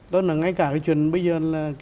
đó là ngay cả cái chuyện bây giờ